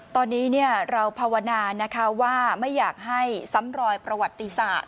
ตอนนี้เราภาวนานะคะว่าไม่อยากให้ซ้ำรอยประวัติศาสต